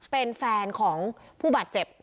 เป็นแฟนของผู้บาดเจ็บ